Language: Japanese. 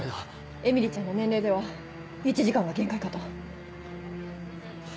えみりちゃんの年齢では１時間が限界かと。